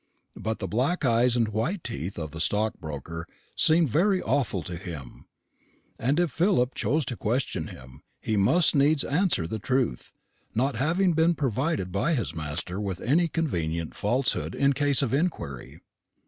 But the black eyes and white teeth of the stockbroker seemed very awful to him; and if Philip chose to question him, he must needs answer the truth, not having been provided by his master with any convenient falsehood in case of inquiry.